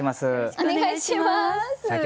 お願いします。